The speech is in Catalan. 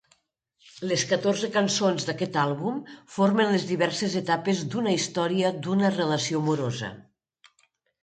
Les catorze cançons d'aquest àlbum formen les diverses etapes d'una història d'una relació amorosa.